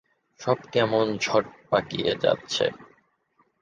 সব কেমন জট পাকিয়ে যাচ্ছে।